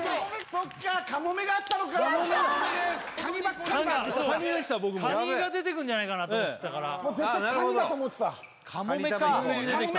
そっか・カモメです「カニ」ばっかりが「カニ」が出てくるんじゃないかなと思ってたから絶対「カニ」だと思ってた「カモメ」か「カモメ」